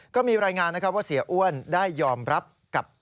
ก็มีรายงานนะครับว่าเสียอ้วนได้ยอมรับกับ